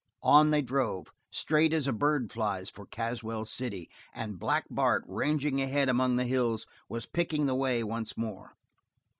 On they drove, straight as a bird flies for Caswell City, and Black Bart, ranging ahead among the hills, was picking the way once more.